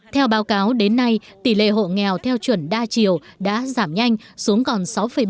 theo báo cáo đến nay tỷ lệ hộ nghèo theo chuẩn đa chiều đã giảm nhanh xuống còn sáu một